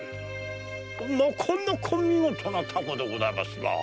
なかなか見事な凧でございますなあ。